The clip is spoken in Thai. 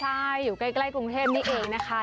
ใช่อยู่ใกล้กรุงเทพนี่เองนะคะ